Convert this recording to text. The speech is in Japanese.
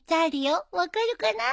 分かるかな？